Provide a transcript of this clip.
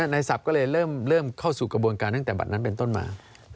ศัพท์ก็เลยเริ่มเข้าสู่กระบวนการตั้งแต่บัตรนั้นเป็นต้นมา